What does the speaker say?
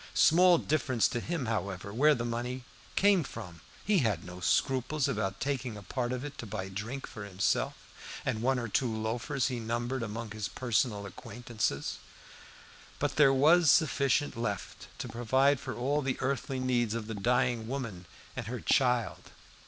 Small difference to him however, where the money came from. He had no scruples about taking a part of it to buy drink for himself and one or two loafers he numbered among his personal acquaintances. But there was sufficient left to provide for all the earthly needs of the dying woman and her child.